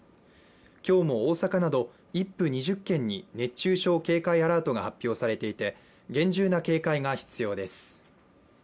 今日も大阪など１府２０県に熱中症警戒アラートが発表されていて厳重な警戒が必要です。